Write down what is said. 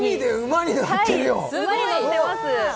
馬に乗ってます